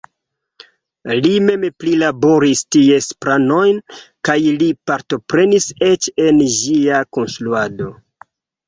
Li mem prilaboris ties planojn kaj li partoprenis eĉ en ĝia konstruado.